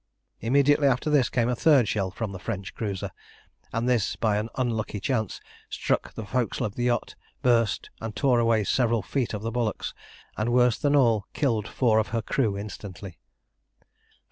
Immediately after this came a third shell from the French cruiser, and this, by an unlucky chance, struck the forecastle of the yacht, burst, and tore away several feet of the bulwarks, and, worse than all, killed four of her crew instantly.